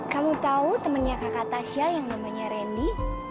kamu tahu temennya kakak tasya yang namanya randy